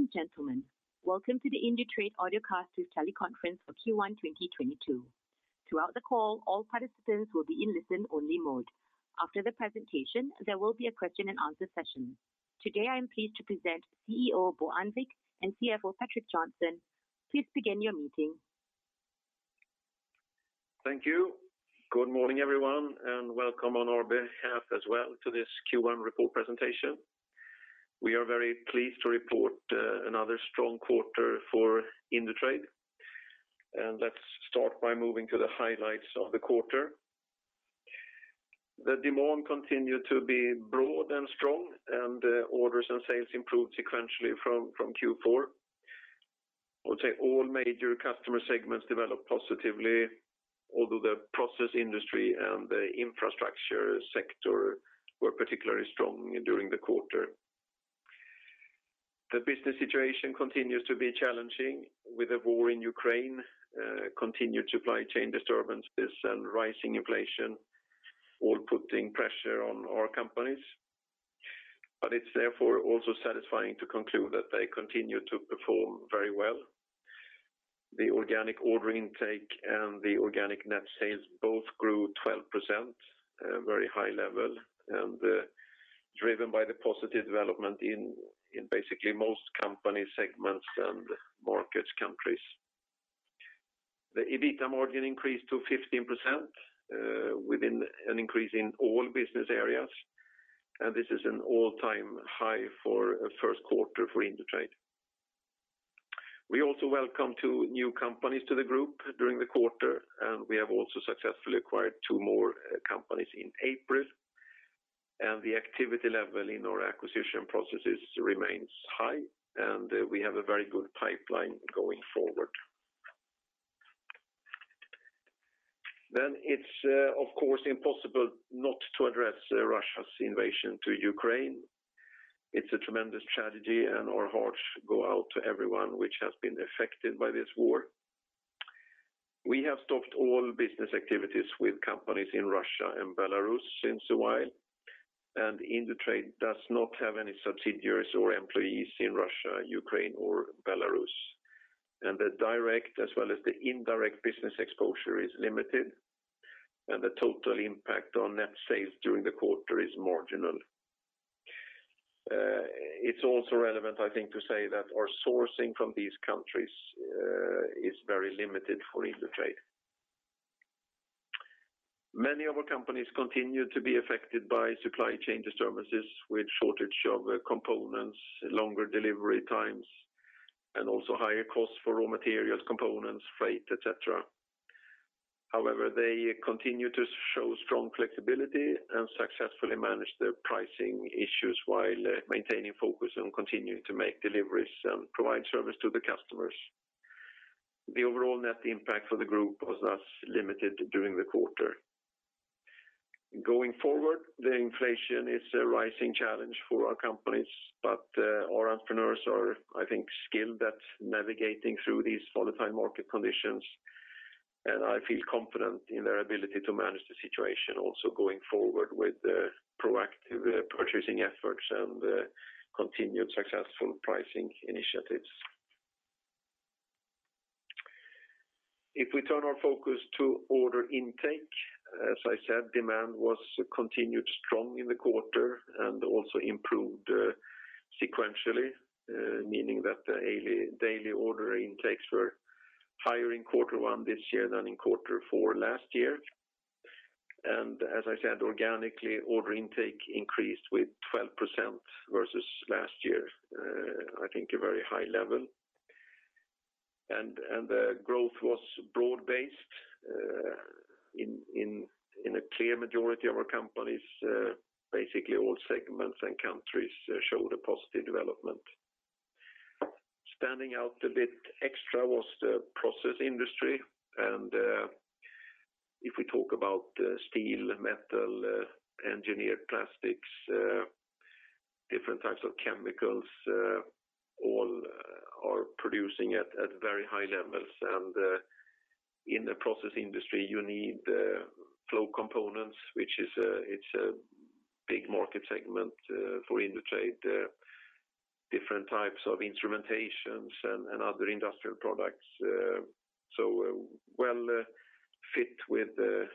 Ladies and gentlemen, welcome to the Indutrade Audiocast's teleconference for Q1 2022. Throughout the call, all participants will be in listen-only mode. After the presentation, there will be a question and answer session. Today, I am pleased to present CEO Bo Annvik and CFO Patrik Johnson. Please begin your meeting. Thank you. Good morning, everyone, and welcome on our behalf as well to this Q1 report presentation. We are very pleased to report another strong quarter for Indutrade. Let's start by moving to the highlights of the quarter. The demand continued to be broad and strong, and orders and sales improved sequentially from Q4. I would say all major customer segments developed positively, although the process industry and the infrastructure sector were particularly strong during the quarter. The business situation continues to be challenging with the war in Ukraine, continued supply chain disturbances, and rising inflation, all putting pressure on our companies. It's therefore also satisfying to conclude that they continue to perform very well. The organic order intake and the organic net sales both grew 12%, a very high level, and driven by the positive development in basically most company segments and markets, countries. The EBITA margin increased to 15%, with an increase in all business areas, and this is an all-time high for a first quarter for Indutrade. We also welcome two new companies to the group during the quarter, and we have also successfully acquired two more companies in April. The activity level in our acquisition processes remains high, and we have a very good pipeline going forward. It's of course impossible not to address Russia's invasion to Ukraine. It's a tremendous tragedy, and our hearts go out to everyone which has been affected by this war. We have stopped all business activities with companies in Russia and Belarus since a while, and Indutrade does not have any subsidiaries or employees in Russia, Ukraine or Belarus. The direct as well as the indirect business exposure is limited, and the total impact on net sales during the quarter is marginal. It's also relevant, I think, to say that our sourcing from these countries is very limited for Indutrade. Many of our companies continue to be affected by supply chain disturbances with shortage of components, longer delivery times, and also higher costs for raw materials, components, freight, et cetera. However, they continue to show strong flexibility and successfully manage their pricing issues while maintaining focus on continuing to make deliveries and provide service to the customers. The overall net impact for the group was thus limited during the quarter. Going forward, the inflation is a rising challenge for our companies, but our entrepreneurs are, I think, skilled at navigating through these volatile market conditions, and I feel confident in their ability to manage the situation, also going forward with the proactive purchasing efforts and continued successful pricing initiatives. If we turn our focus to order intake, as I said, demand was continued strong in the quarter and also improved sequentially, meaning that the daily order intakes were higher in quarter one this year than in quarter four last year. As I said, organically, order intake increased with 12% versus last year, I think a very high level. The growth was broad-based in a clear majority of our companies, basically all segments and countries showed a positive development. Standing out a bit extra was the process industry, and if we talk about steel, metal, engineered plastics, different types of chemicals, all are producing at very high levels. In the process industry, you need the flow components, which is a big market segment for Indutrade, different types of instrumentations and other industrial products. Well fit with the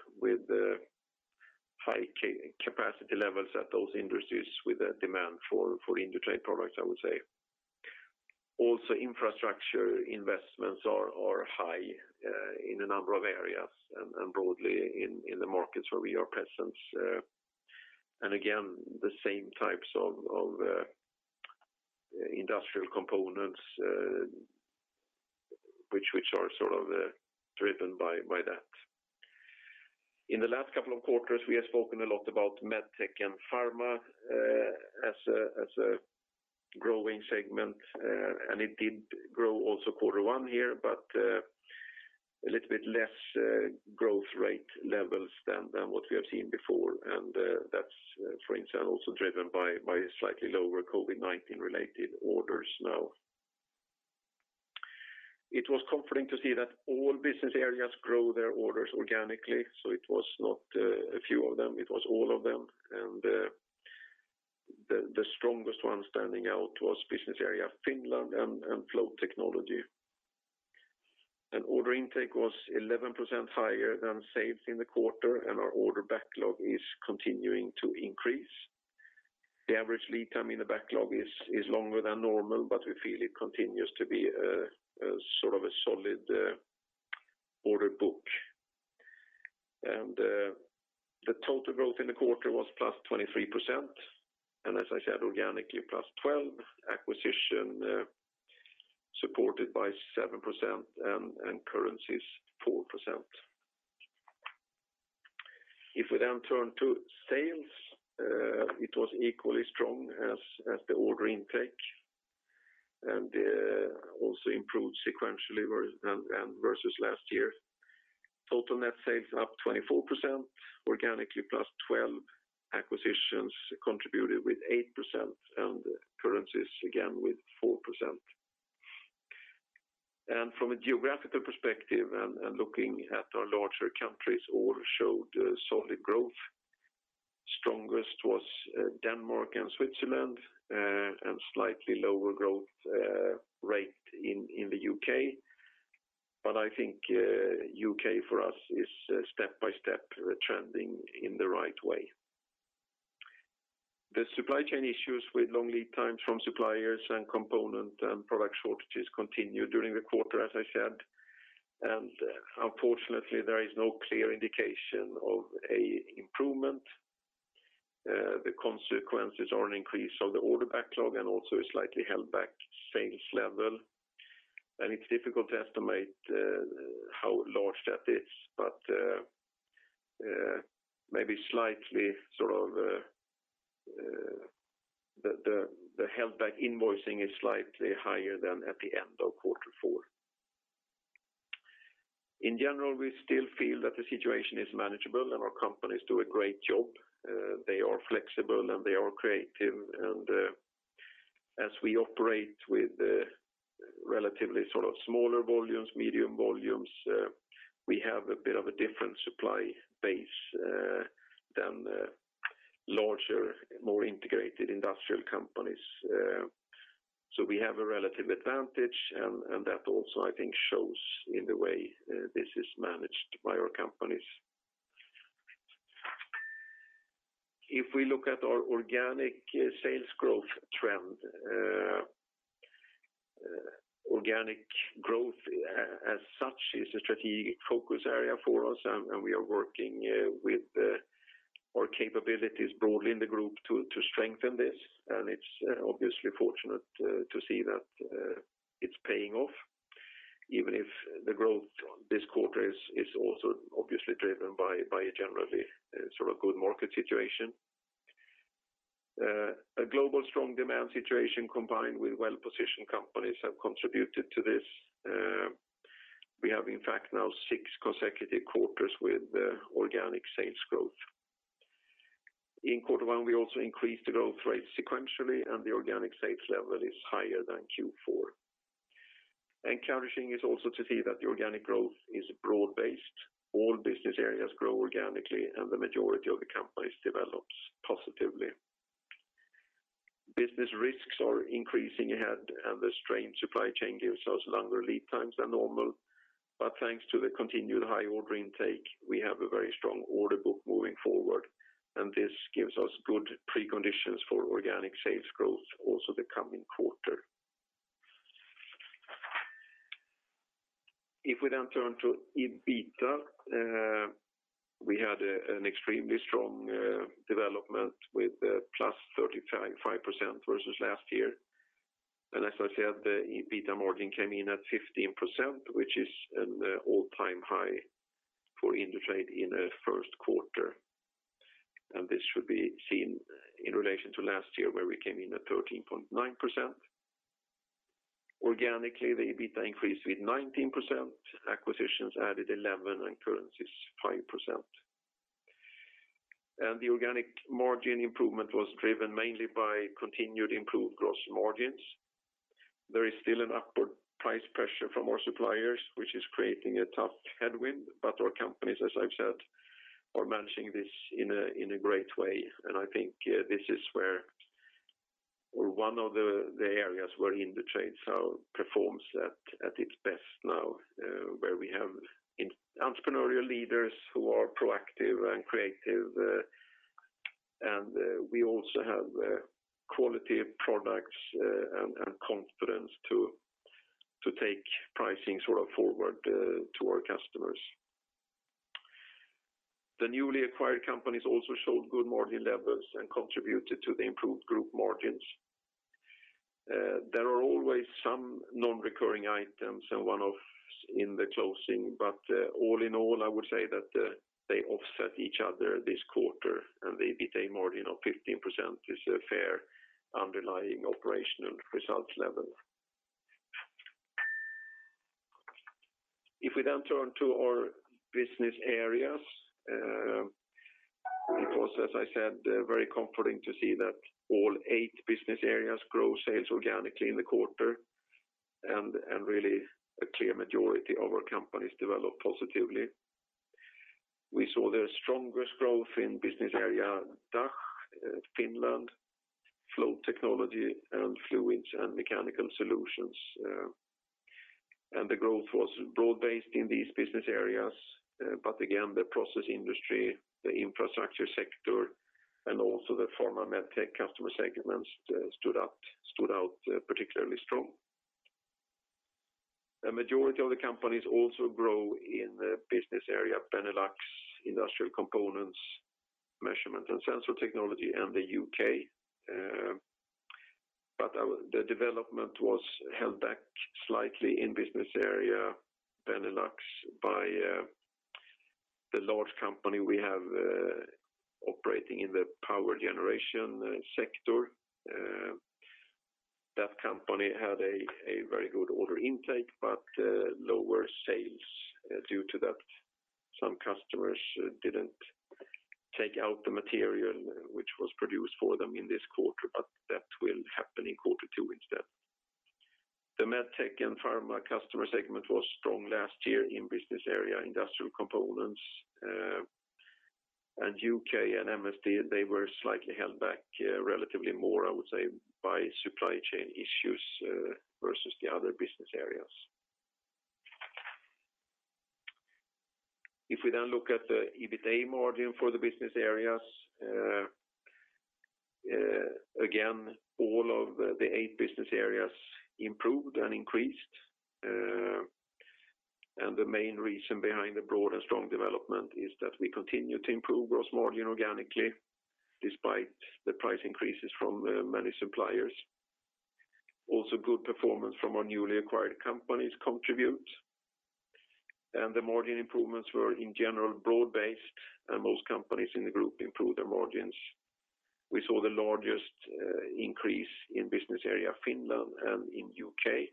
high capacity levels at those industries with the demand for Indutrade products, I would say. Infrastructure investments are high in a number of areas and broadly in the markets where we are present. Again, the same types of industrial components which are sort of driven by that. In the last couple of quarters, we have spoken a lot about MedTech and pharma as a growing segment, and it did grow also quarter one here, but a little bit less growth rate levels than what we have seen before. That's for instance also driven by slightly lower COVID-19 related orders now. It was comforting to see that all business areas grow their orders organically, so it was not a few of them, it was all of them. The strongest one standing out was business area Finland and Flow Technology. An order intake was 11% higher than sales in the quarter, and our order backlog is continuing to increase. The average lead time in the backlog is longer than normal, but we feel it continues to be a sort of a solid order book. The total growth in the quarter was +23%. As I said, organically +12%, acquisition supported by 7% and currencies 4%. If we then turn to sales, it was equally strong as the order intake, and also improved sequentially and versus last year. Total net sales up 24%, organically +12%, acquisitions contributed with 8%, and currencies again with 4%. From a geographical perspective and looking at our larger countries all showed solid growth. Strongest was Denmark and Switzerland, and slightly lower growth rate in the U.K. I think, U.K. for us is step by step trending in the right way. The supply chain issues with long lead times from suppliers and component and product shortages continued during the quarter, as I said. Unfortunately, there is no clear indication of an improvement. The consequences are an increase of the order backlog and also a slightly held back sales level. It's difficult to estimate, how large that is. Maybe slightly sort of, the held back invoicing is slightly higher than at the end of quarter four. In general, we still feel that the situation is manageable, and our companies do a great job. They are flexible, and they are creative. As we operate with relatively sort of smaller volumes, medium volumes, we have a bit of a different supply base than larger, more integrated industrial companies. We have a relative advantage, and that also I think shows in the way this is managed by our companies. If we look at our organic sales growth trend, organic growth as such is a strategic focus area for us, and we are working with our capabilities broadly in the group to strengthen this. It's obviously fortunate to see that it's paying off, even if the growth this quarter is also obviously driven by a generally sort of good market situation. A global strong demand situation combined with well-positioned companies have contributed to this. We have in fact now six consecutive quarters with organic sales growth. In quarter one, we also increased the growth rate sequentially, and the organic sales level is higher than Q4. Encouraging is also to see that the organic growth is broad-based. All business areas grow organically, and the majority of the companies develops positively. Business risks are increasing ahead, and the strained supply chain gives us longer lead times than normal. Thanks to the continued high order intake, we have a very strong order book moving forward, and this gives us good preconditions for organic sales growth also the coming quarter. If we turn to EBITA, we had an extremely strong development with +35% versus last year. As I said, the EBITDA margin came in at 15%, which is an all-time high for Indutrade in a first quarter. This should be seen in relation to last year where we came in at 13.9%. Organically, the EBITDA increased with 19%, acquisitions added 11, and currencies 5%. The organic margin improvement was driven mainly by continued improved gross margins. There is still an upward price pressure from our suppliers, which is creating a tough headwind, but our companies, as I've said, are managing this in a great way. I think this is where or one of the areas where Indutrade performs at its best now, where we have entrepreneurial leaders who are proactive and creative, and we also have quality products, and confidence to take pricing sort of forward to our customers. The newly acquired companies also showed good margin levels and contributed to the improved group margins. There are always some non-recurring items and one-offs in the closing, but, all in all, I would say that, they offset each other this quarter, and the EBITA margin of 15% is a fair underlying operational results level. If we then turn to our business areas, it was, as I said, very comforting to see that all eight business areas grow sales organically in the quarter and, really a clear majority of our companies developed positively. We saw their strongest growth in business area DACH, Finland, Flow Technology and Fluids & Mechanical Solutions. And the growth was broad-based in these business areas, but again, the process industry, the infrastructure sector and also the pharma MedTech customer segments stood out particularly strong. A majority of the companies also grow in the business area Benelux, Industrial Components, Measurement & Sensor Technology in the UK. The development was held back slightly in business area Benelux by the large company we have operating in the power generation sector. That company had a very good order intake, but lower sales due to that some customers didn't take out the material which was produced for them in this quarter, but that will happen in quarter two instead. The MedTech and pharma customer segment was strong last year in business area Industrial Components, and U.K. and MST, they were slightly held back relatively more, I would say, by supply chain issues versus the other business areas. If we then look at the EBITA margin for the business areas, again, all of the eight business areas improved and increased. The main reason behind the broad and strong development is that we continue to improve gross margin organically despite the price increases from, many suppliers. Also good performance from our newly acquired companies contribute. The margin improvements were in general broad-based, and most companies in the group improved their margins. We saw the largest, increase in business area, Finland and in UK.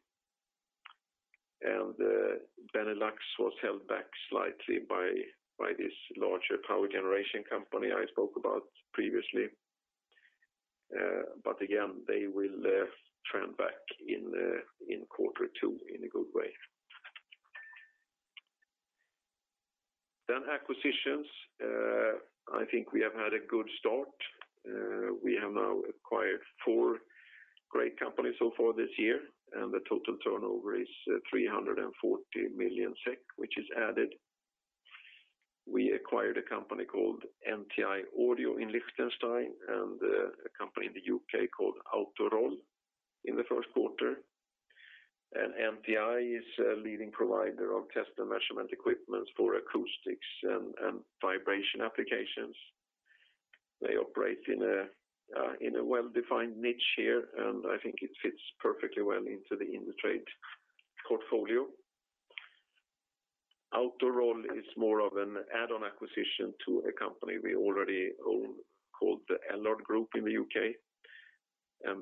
Benelux was held back slightly by this larger power generation company I spoke about previously. Again, they will trend back in quarter two in a good way. Acquisitions, I think we have had a good start. We have now acquired four great companies so far this year, and the total turnover is 340 million SEK, which is added. We acquired a company called NTi Audio in Liechtenstein, and a company in the U.K. Called Autoroll in the first quarter. NTi Audio is a leading provider of test and measurement equipment for acoustics and vibration applications. They operate in a well-defined niche here, and I think it fits perfectly well into the Indutrade portfolio. Autoroll is more of an add-on acquisition to a company we already own called the Allard Group in the UK.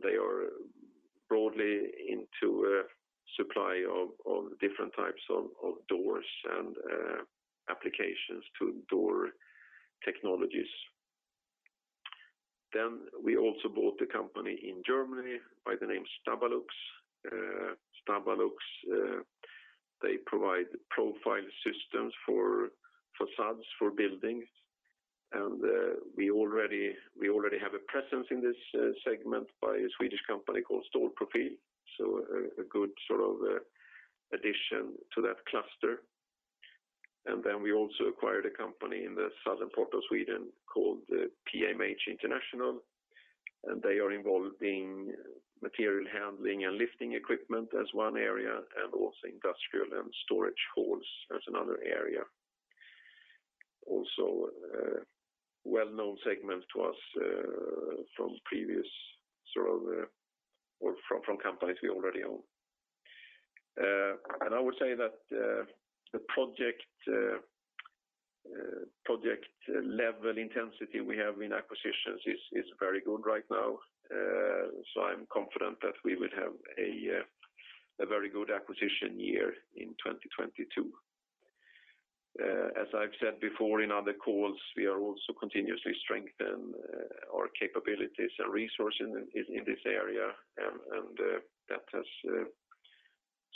They are broadly into a supply of different types of doors and applications to door technologies. We also bought a company in Germany by the name Stabalux. Stabalux, they provide profile systems for façades for buildings. We already have a presence in this segment by a Swedish company called Stålprofil. A good sort of addition to that cluster. We also acquired a company in the southern part of Sweden called the PMH International, and they are involved in material handling and lifting equipment as one area, and also industrial and storage halls as another area. A well-known segment to us from companies we already own. I would say that the project level intensity we have in acquisitions is very good right now. I'm confident that we will have a very good acquisition year in 2022. As I've said before in other calls, we are also continuously strengthening our capabilities and resourcing in this area.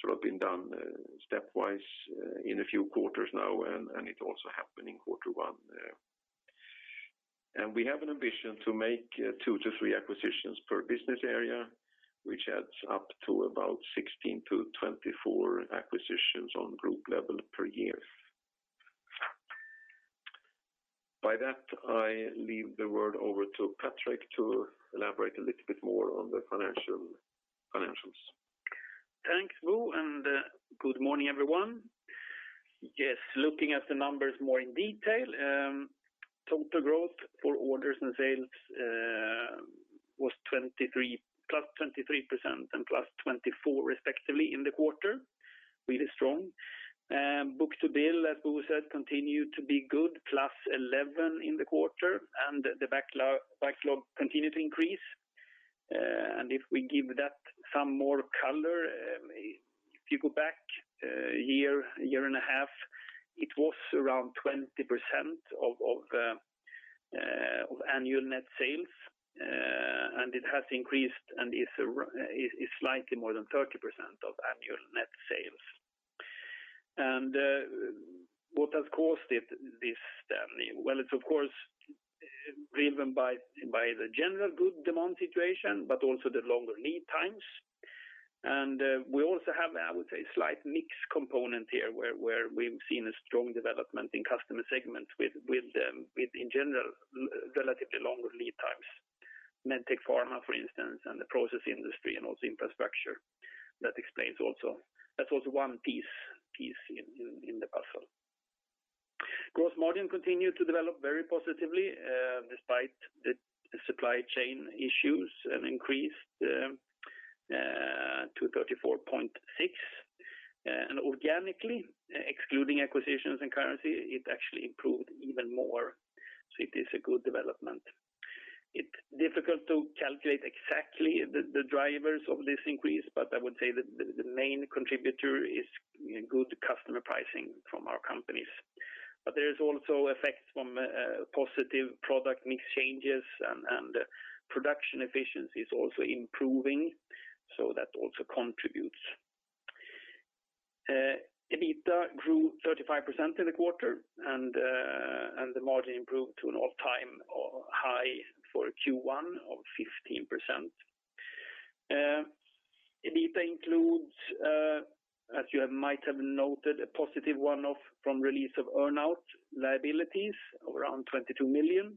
That has sort of been done stepwise in a few quarters now, and it also happened in quarter one. We have an ambition to make 2-3 acquisitions per business area, which adds up to about 16-24 acquisitions on group level per year. By that, I leave the word over to Patrik to elaborate a little bit more on the financials. Thanks, Bo, and good morning, everyone. Yes, looking at the numbers more in detail, total growth for orders and sales was +23% and +24% respectively in the quarter. Really strong. Book-to-bill, as Bo said, continued to be good, +11 in the quarter, and the backlog continued to increase. If we give that some more color, if you go back a year, a year and a half, it was around 20% of annual net sales, and it has increased and is slightly more than 30% of annual net sales. What has caused it, this Stanley? Well, it's of course driven by the general good demand situation, but also the longer lead times. We also have, I would say, a slight mixed component here where we've seen a strong development in customer segments with in general relatively longer lead times. MedTech pharma, for instance, and the process industry and also infrastructure. That's also one piece in the puzzle. Gross margin continued to develop very positively despite the supply chain issues and increased to 34.6%. Organically, excluding acquisitions and currency, it actually improved even more. It is a good development. It's difficult to calculate exactly the drivers of this increase, but I would say that the main contributor is good customer pricing from our companies. But there's also effects from positive product mix changes and production efficiency is also improving. That also contributes. EBITA grew 35% in the quarter and the margin improved to an all-time high for Q1 of 15%. EBITA includes, as you might have noted, a positive one-off from release of earn-out liabilities of around 22 million.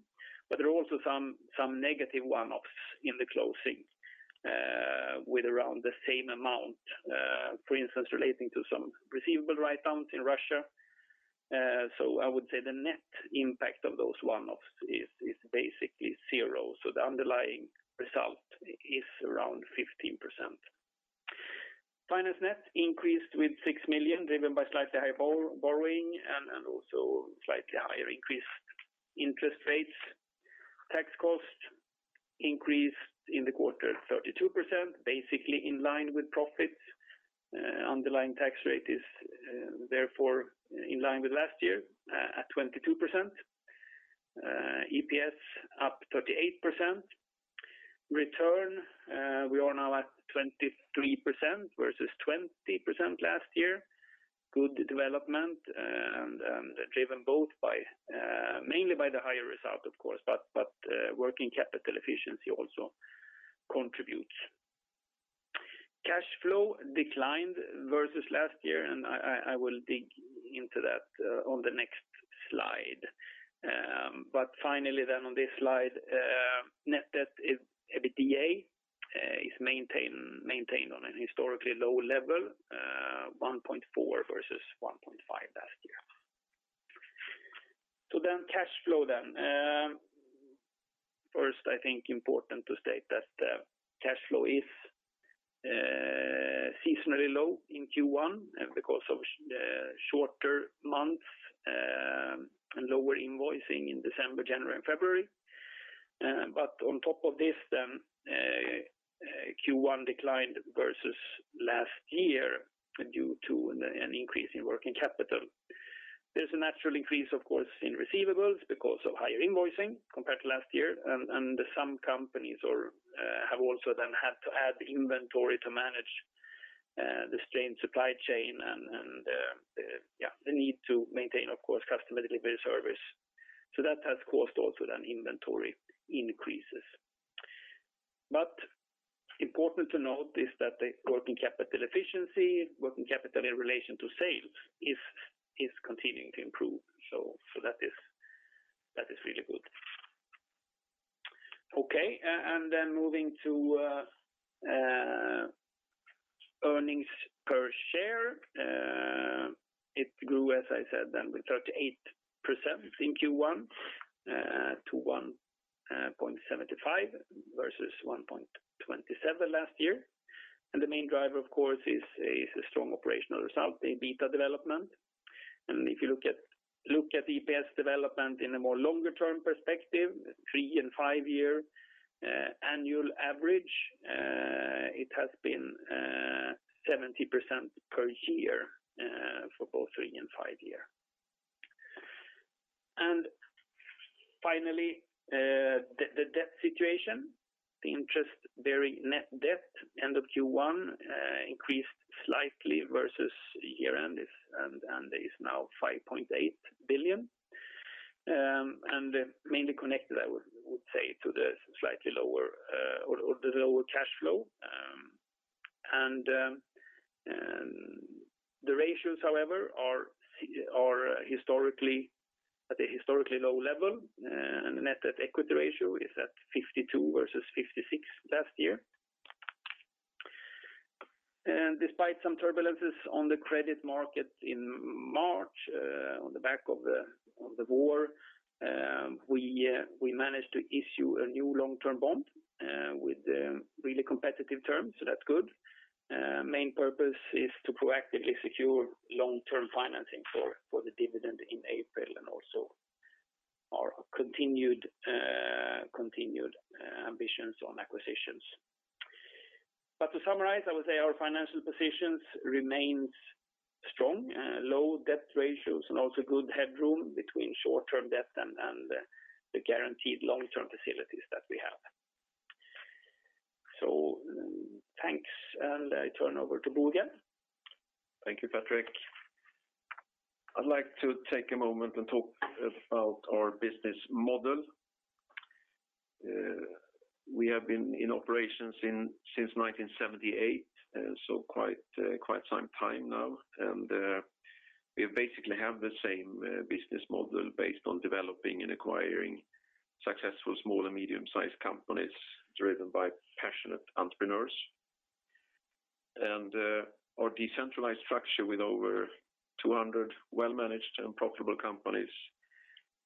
There are also some negative one-offs in the closing with around the same amount, for instance, relating to some receivable write-downs in Russia. I would say the net impact of those one-offs is basically zero. The underlying result is around 15%. Finance net increased with 6 million driven by slightly higher borrowing and also slightly higher increased interest rates. Tax cost increased in the quarter 32%, basically in line with profits. Underlying tax rate is therefore in line with last year at 22%. EPS up 38%. ROE, we are now at 23% versus 20% last year. Good development and driven both by mainly by the higher result of course, but working capital efficiency also contributes. Cash flow declined versus last year, and I will dig into that on the next slide. Finally then on this slide, net debt to EBITA is maintained on a historically low level, 1.4 versus 1.5 last year. Cash flow then. First, I think important to state that cash flow is seasonally low in Q1 because of shorter months and lower invoicing in December, January and February. On top of this then, Q1 declined versus last year due to an increase in working capital. There's a natural increase, of course, in receivables because of higher invoicing compared to last year and some companies have also then had to add inventory to manage the strained supply chain and the need to maintain, of course, customer delivery service. That has caused also then inventory increases. Important to note is that the working capital efficiency, working capital in relation to sales is continuing to improve. That is really good. Okay. Then moving to earnings per share. It grew, as I said then, with 38% in Q1 to 1.75 versus 1.27 last year. The main driver, of course, is a strong operational result, the EBITA development. If you look at EPS development in a more longer-term perspective, three- and five-year annual average, it has been 70% per year for both three- and five-year. Finally, the debt situation, the interest-bearing net debt end of Q1 increased slightly versus year-end, and is now 5.8 billion. And mainly connected, I would say, to the slightly lower, or the lower cash flow. And the ratios, however, are historically at a historically low level, and the net debt/equity ratio is at 52 versus 56 last year. Despite some turbulences on the credit market in March, on the back of the war, we managed to issue a new long-term bond with really competitive terms, so that's good. Main purpose is to proactively secure long-term financing for the dividend in April and also our continued ambitions on acquisitions. To summarize, I would say our financial positions remains strong, low debt ratios and also good headroom between short-term debt and the guaranteed long-term facilities that we have. Thanks, and I turn over to Bo Annvik again. Thank you, Patrik. I'd like to take a moment and talk about our business model. We have been in operations since 1978, so quite some time now. We basically have the same business model based on developing and acquiring successful small and medium-sized companies driven by passionate entrepreneurs. Our decentralized structure with over 200 well-managed and profitable companies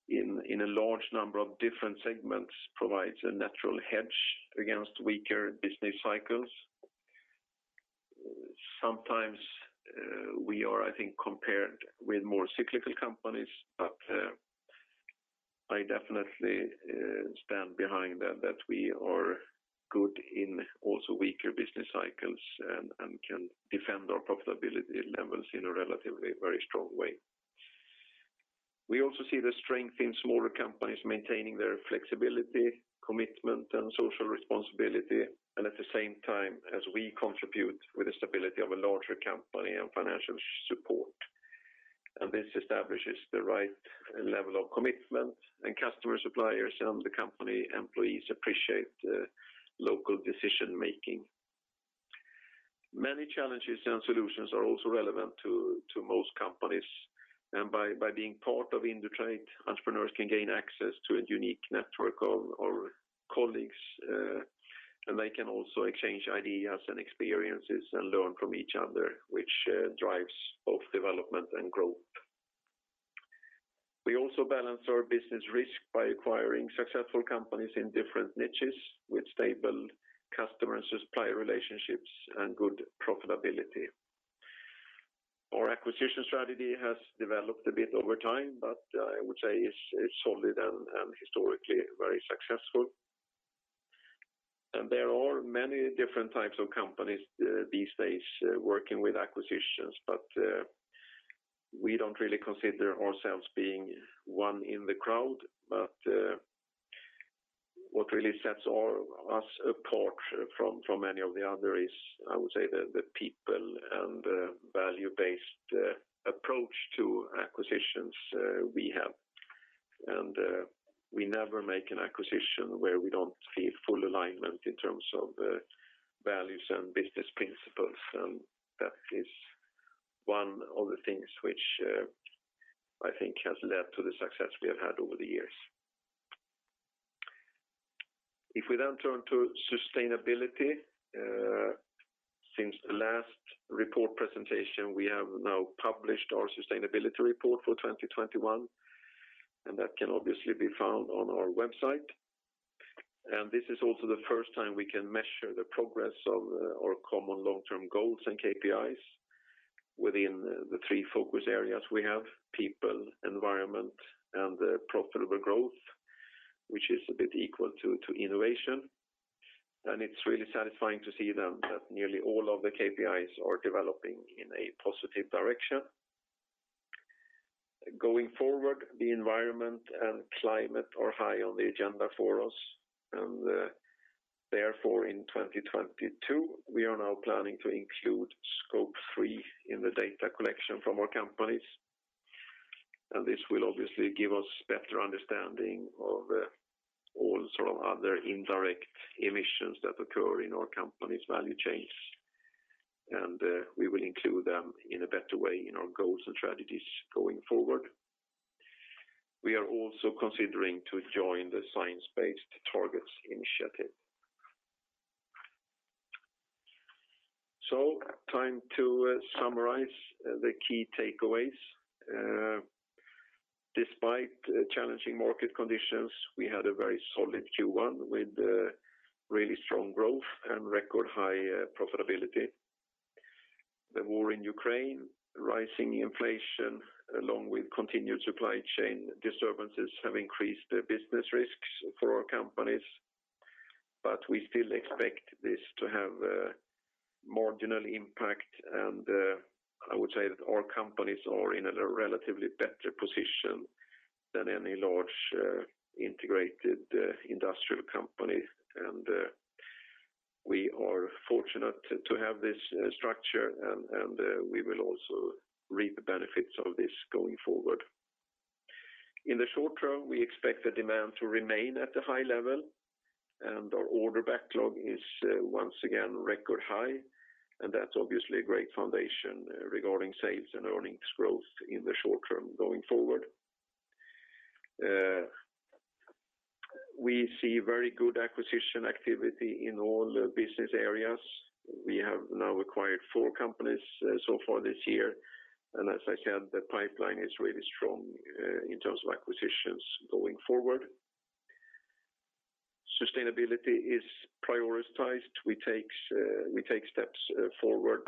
in a large number of different segments provides a natural hedge against weaker business cycles. Sometimes we are, I think, compared with more cyclical companies, but I definitely stand behind that we are good in also weaker business cycles and can defend our profitability levels in a relatively very strong way. We also see the strength in smaller companies maintaining their flexibility, commitment, and social responsibility, and at the same time, as we contribute with the stability of a larger company and financial support. This establishes the right level of commitment, and customer suppliers and the company employees appreciate local decision-making. Many challenges and solutions are also relevant to most companies. By being part of Indutrade, entrepreneurs can gain access to a unique network of our colleagues, and they can also exchange ideas and experiences and learn from each other, which drives both development and growth. We also balance our business risk by acquiring successful companies in different niches with stable customer and supplier relationships and good profitability. Our acquisition strategy has developed a bit over time, but I would say it's solid and historically very successful. There are many different types of companies these days working with acquisitions, but we don't really consider ourselves being one in the crowd. What really sets us apart from any of the other is, I would say, the people and value-based approach to acquisitions we have. We never make an acquisition where we don't see full alignment in terms of values and business principles. That is one of the things which I think has led to the success we have had over the years. If we turn to sustainability, since the last report presentation, we have now published our sustainability report for 2021, and that can obviously be found on our website. This is also the first time we can measure the progress of our common long-term goals and KPIs within the three focus areas we have, people, environment, and profitable growth, which is a bit equal to innovation. It's really satisfying to see that nearly all of the KPIs are developing in a positive direction. Going forward, the environment and climate are high on the agenda for us, and therefore, in 2022, we are now planning to include Scope 3 in the data collection from our companies. This will obviously give us better understanding of all sort of other indirect emissions that occur in our company's value chains. We will include them in a better way in our goals and strategies going forward. We are also considering to join the Science Based Targets initiative. Time to summarize the key takeaways. Despite challenging market conditions, we had a very solid Q1 with really strong growth and record high profitability. The war in Ukraine, rising inflation, along with continued supply chain disturbances have increased the business risks for our companies, but we still expect this to have a marginal impact. I would say that our companies are in a relatively better position than any large integrated industrial company. We are fortunate to have this structure and we will also reap the benefits of this going forward. In the short term, we expect the demand to remain at a high level, and our order backlog is once again record high. That's obviously a great foundation regarding sales and earnings growth in the short term going forward. We see very good acquisition activity in all the business areas. We have now acquired four companies so far this year. As I said, the pipeline is really strong in terms of acquisitions going forward. Sustainability is prioritized. We take steps forward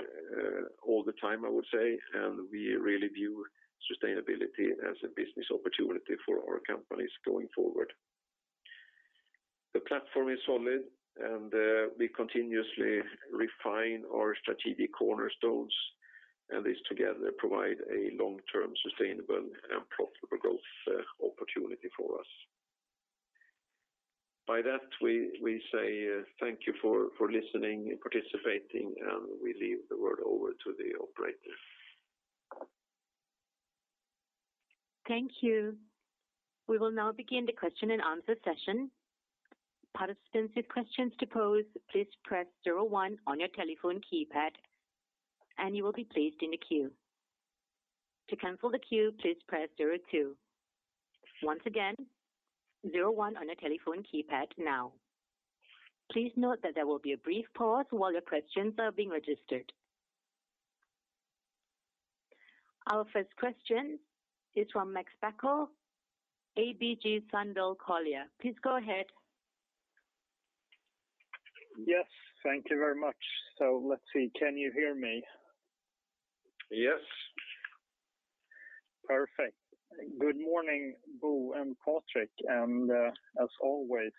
all the time, I would say, and we really view sustainability as a business opportunity for our companies going forward. The platform is solid, and we continuously refine our strategic cornerstones, and these together provide a long-term sustainable and profitable growth opportunity for us. By that, we say thank you for listening and participating, and we leave the word over to the operator. Thank you. We will now begin the question and answer session. Participants with questions to pose, please press zero-one on your telephone keypad, and you will be placed in the queue. To cancel the queue, please press zero-two. Once again, zero-one on your telephone keypad now. Please note that there will be a brief pause while your questions are being registered. Our first question is from Karl Bokvist, ABG Sundal Collier. Please go ahead. Yes, thank you very much. Let's see. Can you hear me? Yes. Perfect. Good morning, Bo and Patrik, and as always,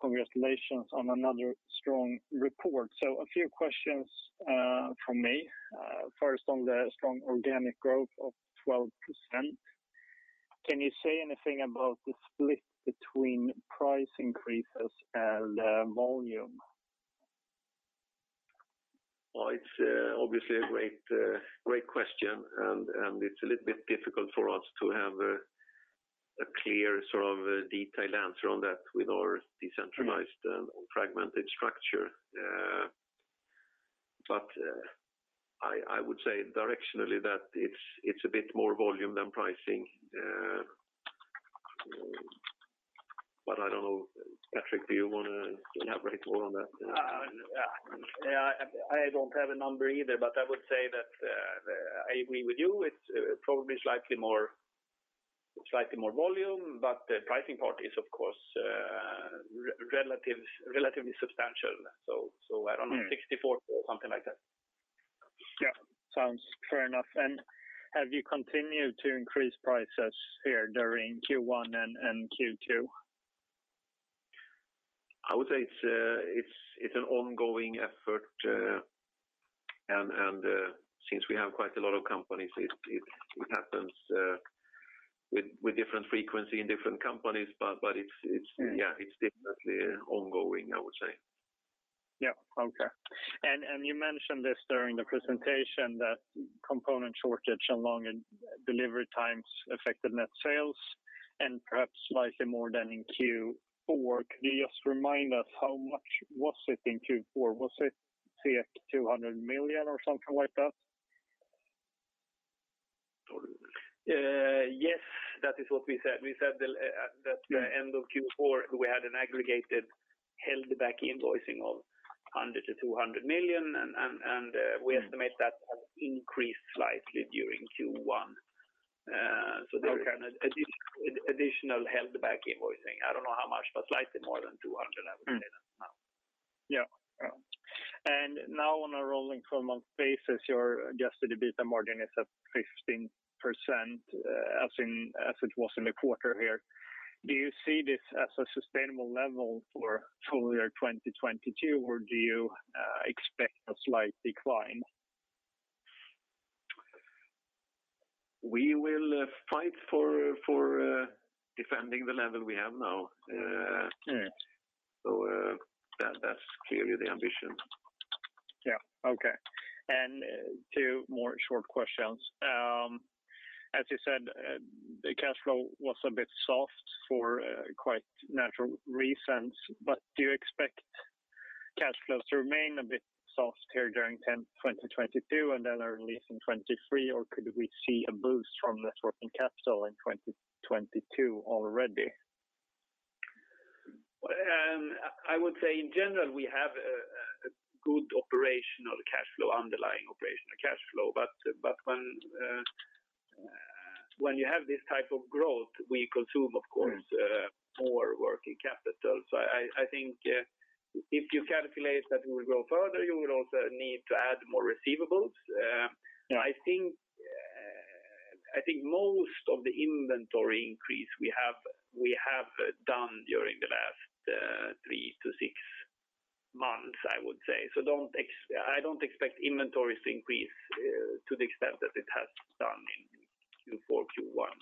congratulations on another strong report. A few questions from me, first on the strong organic growth of 12%. Can you say anything about the split between price increases and volume? Well, it's obviously a great question, and it's a little bit difficult for us to have a clear sort of detailed answer on that with our decentralized and fragmented structure. But I would say directionally that it's a bit more volume than pricing. But I don't know. Patrik, do you want to elaborate more on that? Yeah. I don't have a number either, but I would say that I agree with you. It's probably slightly more volume, but the pricing part is, of course, relatively substantial. So I don't know, 64, something like that. Yeah. Sounds fair enough. Have you continued to increase prices here during Q1 and Q2? I would say it's an ongoing effort, and since we have quite a lot of companies, it happens with different frequency in different companies, but it's. Mm. Yeah, it's definitely ongoing, I would say. Yeah. Okay. You mentioned this during the presentation that component shortage and long delivery times affected net sales and perhaps slightly more than in Q4. Could you just remind us how much was it in Q4? Was it, say, 200 million or something like that? Tor? Yes, that is what we said. We said that at the end of Q4, we had an aggregated held back invoicing of 100 million-200 million, and Mm. We estimate that has increased slightly during Q1. There- Okay. Kind of additional held back invoicing. I don't know how much, but slightly more than 200, I would say that now. Now on a rolling twelve-month basis, your adjusted EBITA margin is at 15%, as in, as it was in the quarter here. Do you see this as a sustainable level for full year 2022, or do you expect a slight decline? We will fight for defending the level we have now. Mm. That's clearly the ambition. Yeah. Okay. Two more short questions. As you said, the cash flow was a bit soft for quite natural reasons. Do you expect cash flows to remain a bit soft here during 2022 and then early in 2023, or could we see a boost from net working capital in 2022 already? Well, I would say in general, we have a good operational cash flow, underlying operational cash flow. But when you have this type of growth, we consume, of course. Mm. more working capital. I think, if you calculate that we will grow further, you will also need to add more receivables. Yeah. I think most of the inventory increase we have done during the last 3-6 months, I would say. I don't expect inventories to increase to the extent that it has done in Q4, Q1.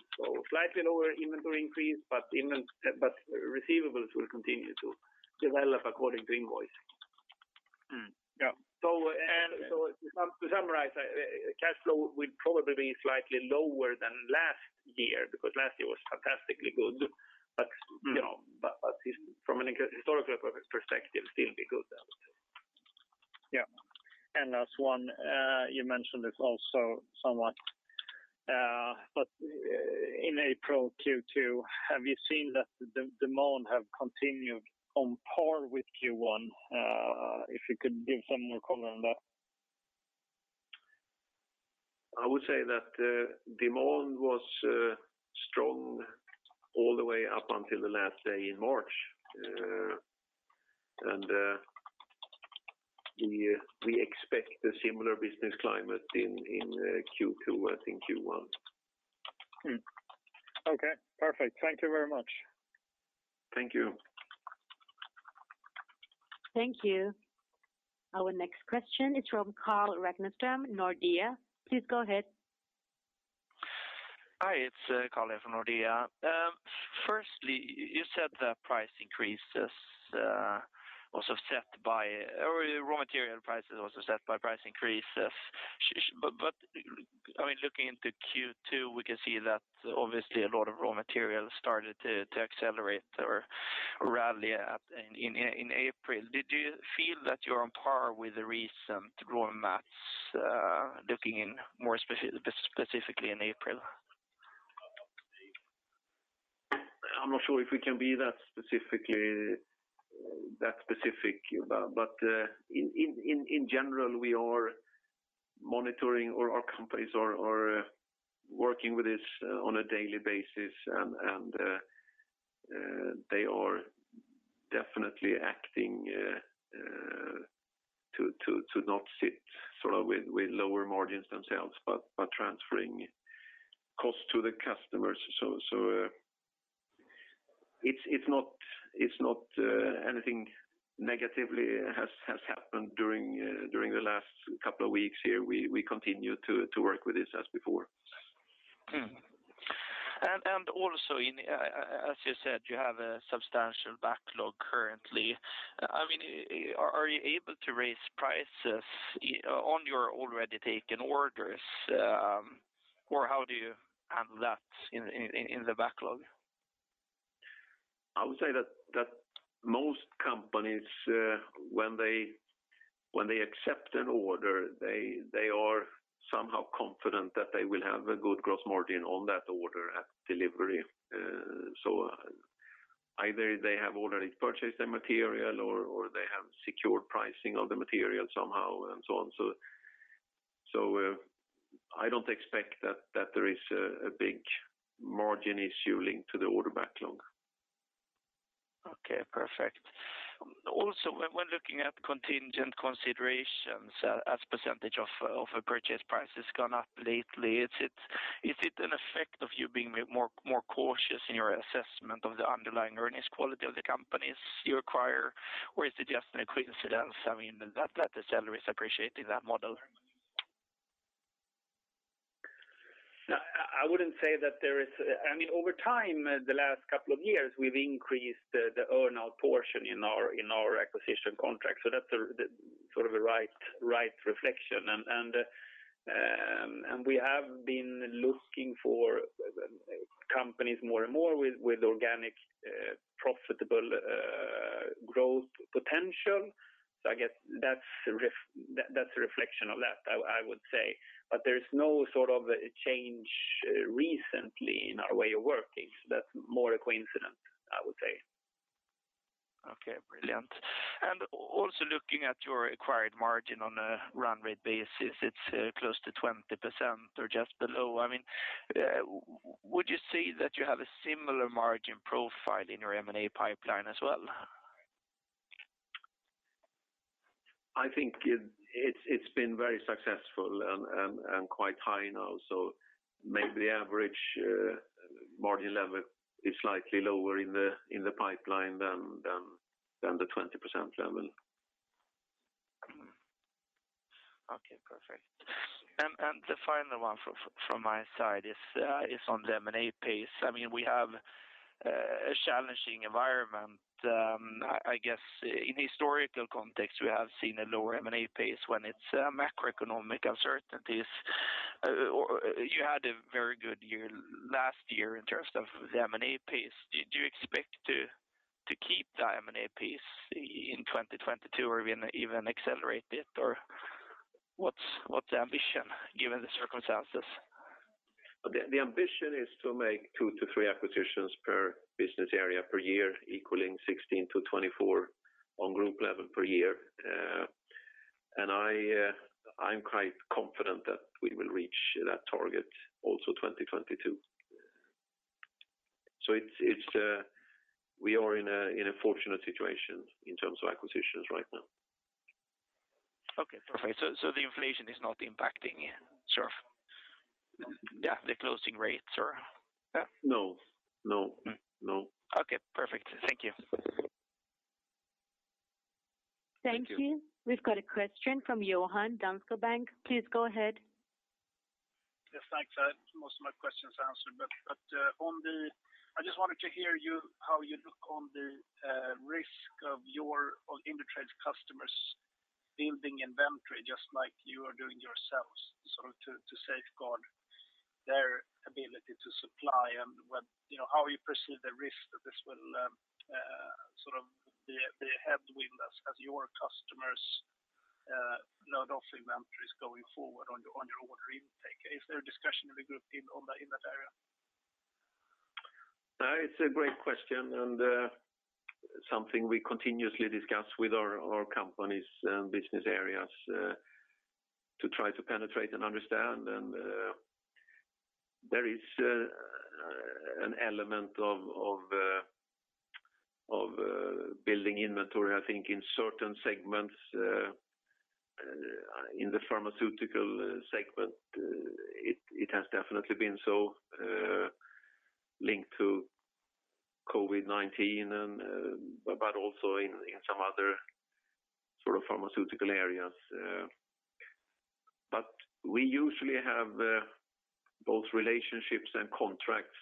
Slightly lower inventory increase, but receivables will continue to develop according to invoice. Mm-hmm. Yeah. To summarize, cash flow will probably be slightly lower than last year because last year was fantastically good. But- Mm. You know, at least from an historical perspective, still be good, I would say. Yeah. Last one, you mentioned it also somewhat, but in April Q2, have you seen that the demand have continued on par with Q1? If you could give some more color on that. I would say that demand was strong all the way up until the last day in March. We expect a similar business climate in Q2 as in Q1. Okay, perfect. Thank you very much. Thank you. Thank you. Our next question is from Carl Ragnerstam, Nordea. Please go ahead. Hi, it's Carl from Nordea. Firstly, you said that price increases also offset by or raw material prices also offset by price increases. I mean, looking into Q2, we can see that obviously a lot of raw materials started to accelerate or rally in April. Did you feel that you're on par with the recent raw mats, looking in more specifically in April? I'm not sure if we can be that specific about. In general, we are monitoring or our companies are working with this on a daily basis. They are definitely acting to not sit sort of with lower margins themselves, but transferring cost to the customers. It's not anything negative has happened during the last couple of weeks here. We continue to work with this as before. Also, as you said, you have a substantial backlog currently. I mean, are you able to raise prices on your already taken orders? How do you handle that in the backlog? I would say that most companies, when they accept an order, they are somehow confident that they will have a good gross margin on that order at delivery. Either they have already purchased the material or they have secured pricing of the material somehow and so on. I don't expect that there is a big margin issue linked to the order backlog. Okay, perfect. Also, when looking at contingent considerations as a percentage of a purchase price has gone up lately, is it an effect of you being more cautious in your assessment of the underlying earnings quality of the companies you acquire? Or is it just a coincidence? I mean, that the seller is appreciating that model. I wouldn't say that there is. I mean, over time, the last couple of years, we've increased the earn-out portion in our acquisition contract. That's the sort of right reflection. We have been looking for companies more and more with organic profitable growth potential. I guess that's a reflection of that, I would say. There is no sort of a change recently in our way of working. That's more a coincidence, I would say. Okay, brilliant. Also looking at your acquired margin on a run rate basis, it's close to 20% or just below. I mean, would you say that you have a similar margin profile in your M&A pipeline as well? I think it's been very successful and quite high now. Maybe average margin level is slightly lower in the pipeline than the 20% level. Okay, perfect. The final one from my side is on the M&A pace. I mean, we have a challenging environment. I guess in historical context, we have seen a lower M&A pace when there are macroeconomic uncertainties. Or you had a very good year last year in terms of the M&A pace. Do you expect to keep the M&A pace in 2022 or even accelerate it? Or what's the ambition given the circumstances? The ambition is to make 2-3 acquisitions per business area per year, equaling 16-24 on group level per year. I'm quite confident that we will reach that target also 2022. We are in a fortunate situation in terms of acquisitions right now. Okay, perfect. The inflation is not impacting sort of the closing rates or? No. No. No. Okay, perfect. Thank you. Thank you. Thank you. We've got a question from Johan Dahl, Danske Bank. Please go ahead. Yes, thanks. Most of my questions are answered. I just wanted to hear you, how you look on the risk of your or Indutrade customers building inventory just like you are doing yourselves, sort of to safeguard their ability to supply. You know, how you perceive the risk that this will sort of the headwind as your customers run off inventories going forward on your order intake. Is there a discussion in the group if No, it's a great question, and something we continuously discuss with our companies and business areas to try to penetrate and understand. There is an element of building inventory, I think in certain segments in the pharmaceutical segment, it has definitely been so linked to COVID-19 and but also in some other sort of pharmaceutical areas. But we usually have both relationships and contracts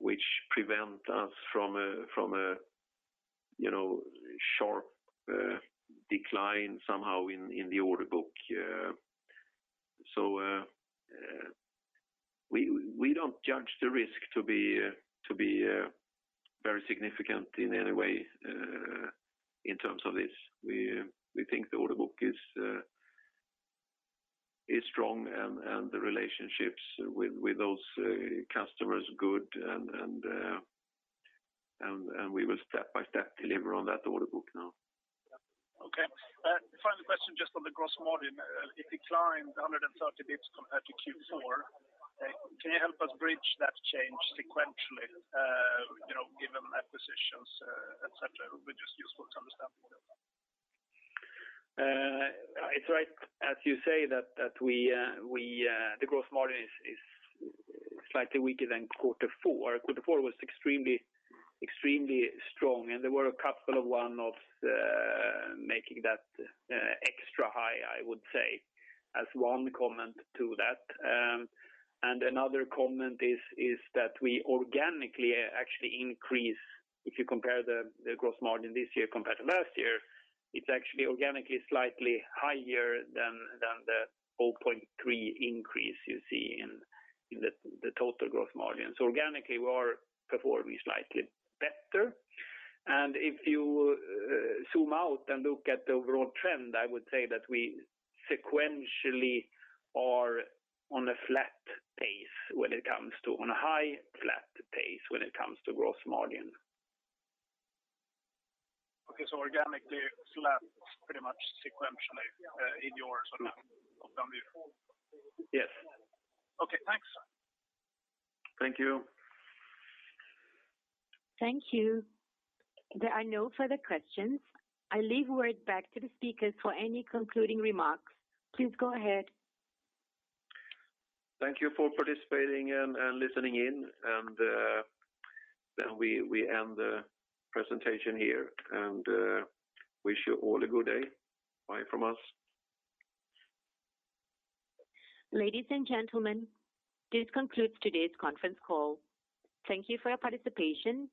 which prevent us from a you know, sharp decline somehow in the order book. We don't judge the risk to be very significant in any way in terms of this. We think the order book is strong and the relationships with those customers good, and we will step-by-step deliver on that order book now. Okay. Final question just on the gross margin. It declined 130 basis points compared to Q4. Can you help us bridge that change sequentially, you know, given acquisitions, etcetera? It would be just useful to understand a little bit. It's right as you say that we the gross margin is slightly weaker than quarter four. Quarter four was extremely strong, and there were a couple of one-offs making that extra high, I would say, as one comment to that. Another comment is that we organically actually increase if you compare the gross margin this year compared to last year, it's actually organically slightly higher than the 0.3% increase you see in the total gross margin. So organically, we are performing slightly better. If you zoom out and look at the overall trend, I would say that we sequentially are on a high flat pace when it comes to gross margin. Okay. Organically flat, pretty much sequentially, in your sort of down the year? Yes. Okay. Thanks. Thank you. Thank you. There are no further questions. I hand the word back to the speakers for any concluding remarks. Please go ahead. Thank you for participating and listening in. Then we end the presentation here and wish you all a good day. Bye from us. Ladies and gentlemen, this concludes today's conference call. Thank you for your participation.